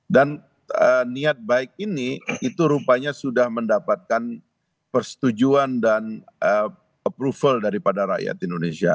dan niat baik ini itu rupanya sudah mendapatkan persetujuan dan approval daripada rakyat indonesia